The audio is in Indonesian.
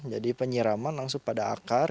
jadi penyeraman langsung pada akar